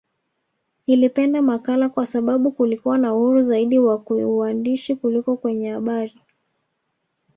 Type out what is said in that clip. Nilipenda makala kwa sababu kulikuwa na uhuru zaidi wa kiuandishi kuliko kwenye habari